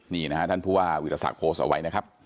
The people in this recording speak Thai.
นี่นะฮะท่านผู้ว่าวิทยาศักดิ์โพสต์เอาไว้นะครับ